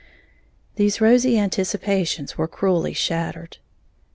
These rosy anticipations were cruelly shattered.